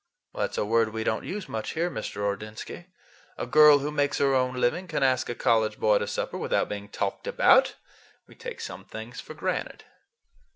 "That's a word we don't use much here, Mr. Ordinsky. A girl who makes her own living can ask a college boy to supper without being talked about. We take some things for granted."